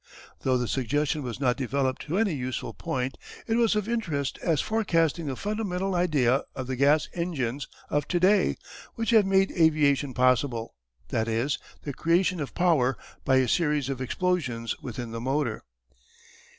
Though the suggestion was not developed to any useful point it was of interest as forecasting the fundamental idea of the gas engines of to day which have made aviation possible that is, the creation of power by a series of explosions within the motor.